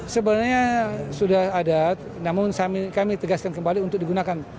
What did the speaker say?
sebenarnya sudah ada namun kami tegaskan kembali untuk digunakan